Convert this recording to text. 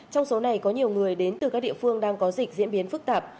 trong số này có nhiều người đến từ các địa phương đang có dịch diễn biến phức tạp